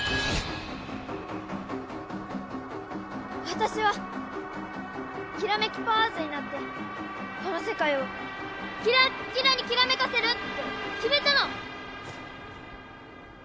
私はキラメキパワーズになってこの世界をキラッキラにきらめかせるって決めたの！